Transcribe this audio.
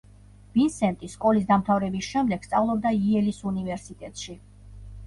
ვინსენტი სკოლის დამთავრების შემდეგ სწავლობდა იელის უნივერსიტეტში.